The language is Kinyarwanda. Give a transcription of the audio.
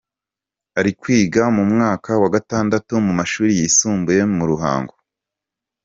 Ari kwiga mu mwaka wa gatandatu mu mashuri yisumbuye mu Ruhango.